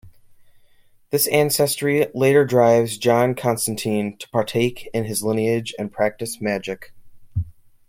This ancestry later drives John Constantine to partake in his lineage and practice magic.